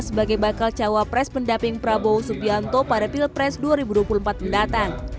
sebagai bakal cawapres pendamping prabowo subianto pada pilpres dua ribu dua puluh empat mendatang